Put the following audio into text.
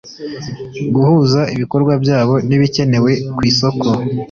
guhuza ibikorwa byabo n'ibikenewe ku isoko